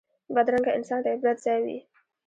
بدرنګه انسان د عبرت ځای وي